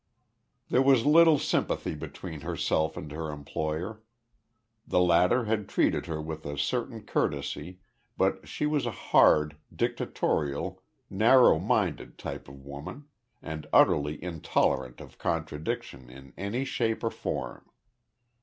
There was little sympathy between herself and her employer. The latter had treated her with a certain courtesy, but she was a hard, dictatorial, narrow minded type of woman, and utterly intolerant of contradiction in any shape or form.